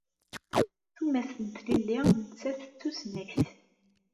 Tumast n tlelli nettat d tusnakt.